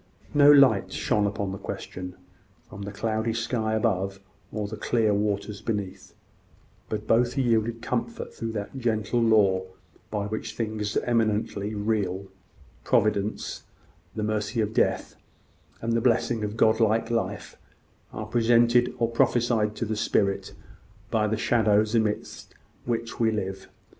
No light shone upon the question, from the cloudy sky above, or the clear waters beneath; but both yielded comfort through that gentle law by which things eminently real Providence, the mercy of death, and the blessing of godlike life, are presented or prophesied to the spirit by the shadows amidst which we live.